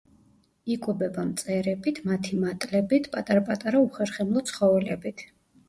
იკვებება მწერებით, მათი მატლებით, პატარ-პატარა უხერხემლო ცხოველებით.